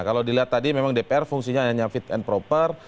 kalau dilihat tadi memang dpr fungsinya hanya fit and proper